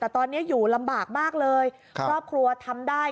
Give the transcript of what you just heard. แต่ตอนนี้อยู่ลำบากมากเลยครอบครัวทำได้